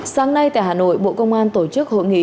sáng nay tại hà nội bộ công an tổ chức hội nghị